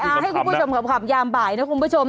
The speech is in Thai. เอาให้คุณผู้ชมขับยามบ่ายนะคุณผู้ชม